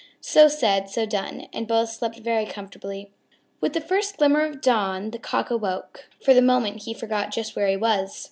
So said, so done, and both slept very comfortably. With the first glimmer of dawn the Cock awoke. For the moment he forgot just where he was.